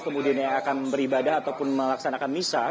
kemudian yang akan beribadah ataupun melaksanakan misa